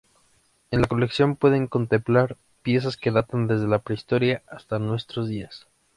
En la colección pueden contemplar piezas que datan desde la prehistoria hasta nuestros días.